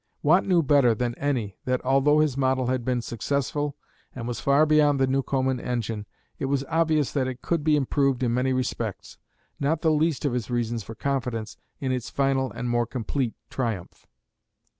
Watt knew better than any that although his model had been successful and was far beyond the Newcomen engine, it was obvious that it could be improved in many respects not the least of his reasons for confidence in its final and more complete triumph.